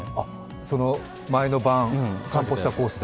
その前の晩、散歩したコースで。